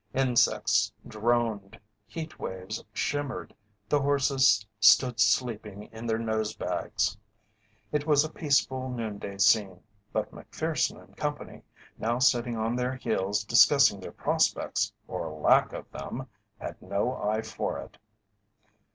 Insects droned, heat waves shimmered, the horses stood sleeping in their nose bags. It was a peaceful noon day scene, but Macpherson and Company, now sitting on their heels discussing their prospects, or lack of them, had no eye for it.